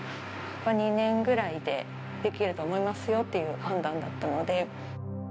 ２年ぐらいでできると思いますよっていう判断だったので。